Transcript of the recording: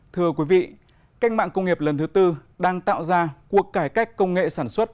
thưa quý vị cách mạng công nghiệp lần thứ tư đang tạo ra cuộc cải cách công nghệ sản xuất